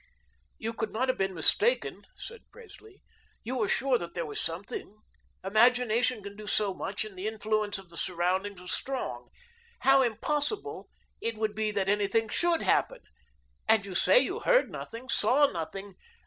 "You could not have been mistaken?" said Presley. "You were sure that there was something? Imagination can do so much and the influence of the surroundings was strong. How impossible it would be that anything SHOULD happen. And you say you heard nothing, saw nothing."